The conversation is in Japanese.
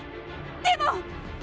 でも。